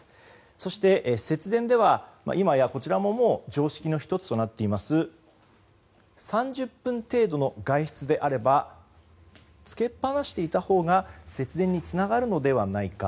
そして節電は今やこれも常識の１つとなっている３０分程度の外出であればつけっぱなしていたほうが節電につながるのではないか。